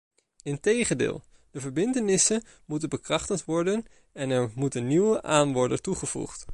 Integendeel, de verbintenissen moeten bekrachtigd worden en er moeten nieuwe aan worden toegevoegd.